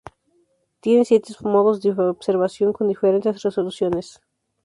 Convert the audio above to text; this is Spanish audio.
Tiene siete modos de observación con diferentes resoluciones.